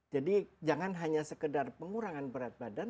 jadi jangan hanya sekedar pengurangan berat badan